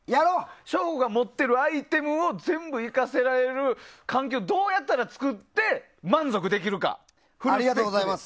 省吾が持ってるアイテムを全部生かせられる環境をどうやったら作れるか満足できるか、フルスペックでね。